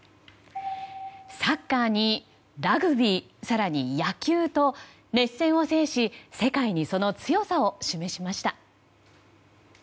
サッカーにラグビー、更に野球と熱戦を制し世界にその強さを示しました。